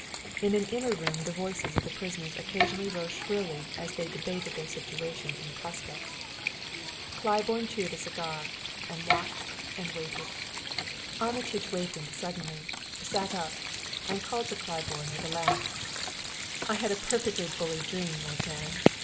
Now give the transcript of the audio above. In an inner room the voices of the prisoners occasionally rose shrilly as they debated their situation and prospects. Claiborne chewed a cigar and watched and waited. Armitage wakened suddenly, sat up and called to Claiborne with a laugh: "I had a perfectly bully dream, old man.